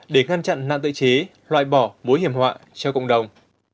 để ngăn chặn nạn tự chế loại bỏ mối hiểm họa cho cộng đồng